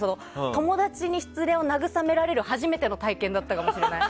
友達に失恋を慰められる初めての体験だったかもしれない。